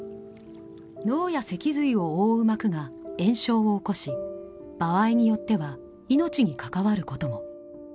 脳やせき髄を覆う膜が炎症を起こし場合によっては命に関わることも。